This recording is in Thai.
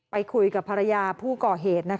ไปคุยกับภรรยาพวกเธอ